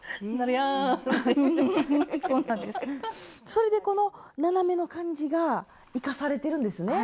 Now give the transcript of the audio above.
それでこの斜めの感じが生かされてるんですね。